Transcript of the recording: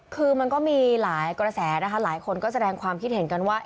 คือมันก็มีหลายกระแสนะคะหลายคนก็แสดงความคิดเห็นกันว่า